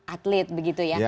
atlet begitu ya